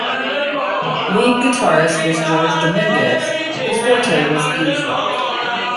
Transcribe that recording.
Lead guitarist was George Dominguez, whose forte was blues rock.